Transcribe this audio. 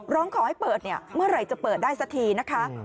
ร้องขอให้เปิดเนี่ยเมื่อไหร่จะเปิดได้สักทีนะคะ